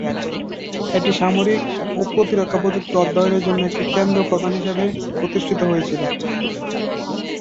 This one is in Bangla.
এটি সামরিক ও প্রতিরক্ষা প্রযুক্তি অধ্যয়নের জন্য একটি প্রধান কেন্দ্র হিসাবে প্রতিষ্ঠিত হয়েছিল।